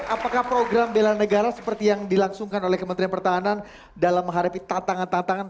apakah program bela negara seperti yang dilangsungkan oleh kementerian pertahanan dalam menghadapi tantangan tantangan